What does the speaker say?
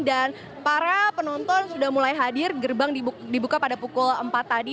dan para penonton sudah mulai hadir gerbang dibuka pada pukul empat tadi